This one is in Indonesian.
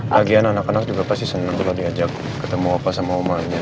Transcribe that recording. lagian anak anak juga pasti senang kalau diajak ketemu papa sama omahannya